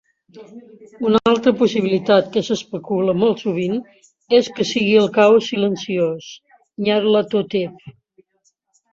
Una altra possibilitat que s"especula molt sovint és que sigui el Caos silenciós, Nyarlathotep.